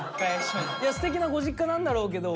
いやすてきなご実家なんだろうけど。